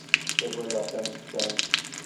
Ttaggadeɣ tamettant.